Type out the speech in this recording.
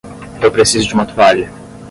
Eu preciso de uma toalha.